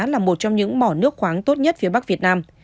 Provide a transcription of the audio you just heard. là một trong những mỏ nước khoáng tốt nhất phía bắc việt nam